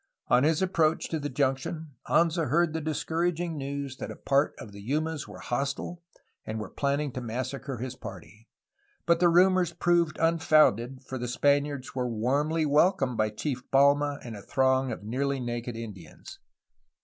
On his approach to the junction Anza heard the discouraging news that a part of the Yumas were hostile and were planning to mas sacre his party; but the rumor proved unfounded, for the Span iards were warmly welcomed by Chief Palma and a throng of nearly naked Indians.